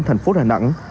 thành phố đà nẵng